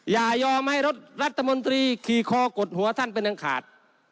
อย่ายอมให้รถรัฐมนตรีขี่คอกดหัวท่านเป็นอังขาด